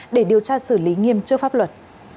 để điều tra xử lý nghiêm trước pháp luật